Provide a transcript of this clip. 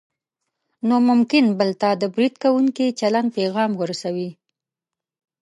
نو ممکن بل ته د برید کوونکي چلند پیغام ورسوي.